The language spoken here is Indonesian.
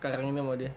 sekarang ini mau dia